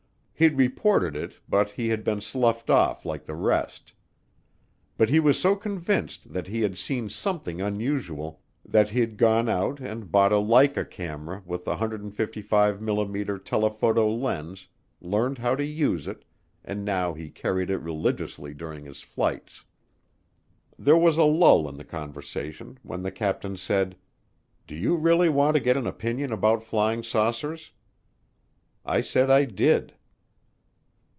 He'd reported it but he had been sloughed off like the rest. But he was so convinced that he'd seen something unusual that he'd gone out and bought a Leica camera with a 105 mm. telephoto lens, learned how to use it, and now he carried it religiously during his flights. There was a lull in the conversation, then the captain said, "Do you really want to get an opinion about flying saucers?" I said I did.